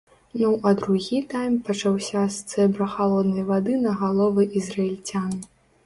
Ну, а другі тайм пачаўся з цэбра халоднай вады на галовы ізраільцян.